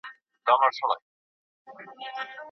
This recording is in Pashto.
که د ورته مسایلو حل لاري وڅیړل سي، نو اړیکي به ترمیم سي.